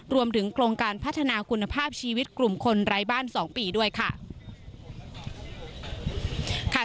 รวมถึงโครงการพัฒนาคุณภาพชีวิตกลุ่มคนไร้บ้าน๒ปีด้วยค่ะ